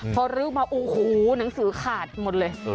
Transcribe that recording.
พอลื้อมาโอ้โหหนังสือขาดหมดเลย